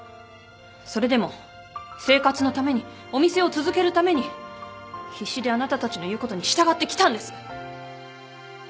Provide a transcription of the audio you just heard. それでも生活のためにお店を続けるために必死であなたたちの言うことに従ってきたんです。